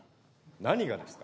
何がですか。